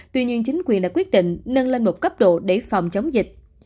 tuy nhiên chính quyền đã quyết định nâng lên một cấp độ để phòng chống dịch